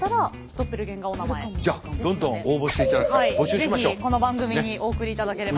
是非この番組にお送りいただければ。